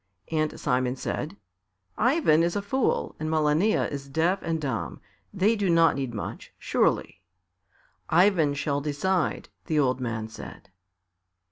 And Simon said, "Ivan is a fool and Malania is deaf and dumb; they do not need much, surely." "Ivan shall decide," the old man said.